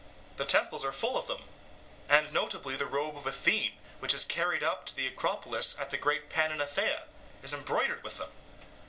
The temples are full of them; and notably the robe of Athene, which is carried up to the Acropolis at the great Panathenaea, is embroidered with them.